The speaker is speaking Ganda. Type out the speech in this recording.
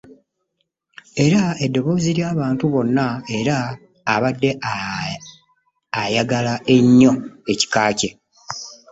Era eddoboozi ly'abantu bonna era abadde ayagala ennyo ekika kye.